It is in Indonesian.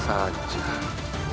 kau akan menang